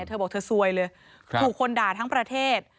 เธอบอกเธอซวยเลยถูกคนด่าทั้งประเทศ